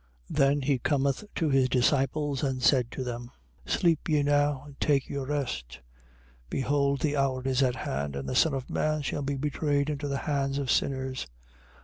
26:45. Then he cometh to his disciples and said to them: Sleep ye now and take your rest. Behold the hour is at hand: and the Son of man shall be betrayed into the hands of sinners.